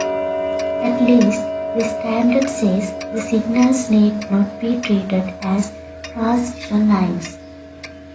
At least the standard says the signals need not be treated as transmission lines.